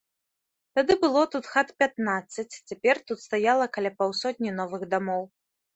Тады было тут хат пятнаццаць, цяпер тут стаяла каля паўсотні новых дамоў.